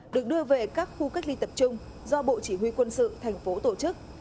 được đưa về các khu cách ly tập trung do bộ chỉ huy quân sự thành phố tổ chức